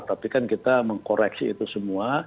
tapi kan kita mengkoreksi itu semua